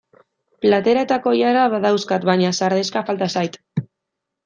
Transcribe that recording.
Platera eta koilara badauzkat baina sardexka falta zait.